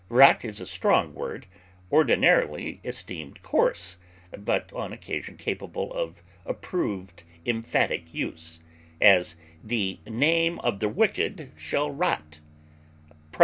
Rot is a strong word, ordinarily esteemed coarse, but on occasion capable of approved emphatic use; as, "the name of the wicked shall rot," _Prov.